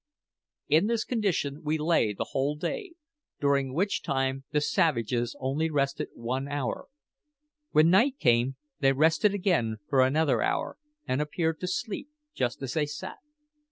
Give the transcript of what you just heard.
In this condition we lay the whole day, during which time the savages only rested one hour. When night came they rested again for another hour, and appeared to sleep just as they sat.